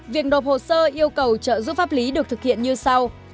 hai việc đột hồ sơ yêu cầu trợ giúp pháp lý được thực hiện như sau